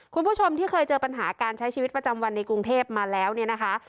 คุณผู้ชมที่เคยเจอปัญหาการใช้ชีวิตประจำวันในกรุงเทพมาแล้วเนี่ยนะคะ